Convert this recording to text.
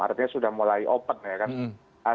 artinya sudah mulai open ya kan